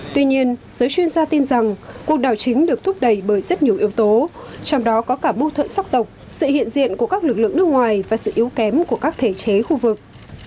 tuy nhiên giới chuyên gia tin rằng cuộc đảo chính được thúc đẩy bởi rất nhiều yếu tố trong đó có cả bưu thuận sóc tộc sự hiện diện của các lực lượng nước ngoài và sự yếu kém của các thể chế khu vực